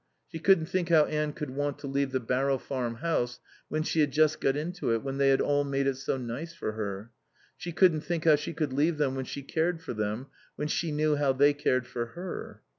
She couldn't think how Anne could want to leave the Barrow Farm house when she had just got into it, when they had all made it so nice for her; she couldn't think how she could leave them when she cared for them, when she knew how they cared for her.